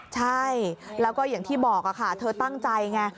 ใช่แล้วก็อย่างที่บอกค่ะเธอตั้งใจไง